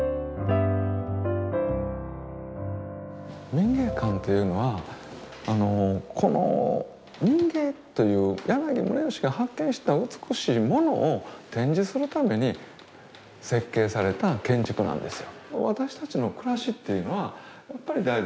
民藝館というのはこの民藝という柳宗悦が発見した美しいものを展示するために設計された建築なんですよ。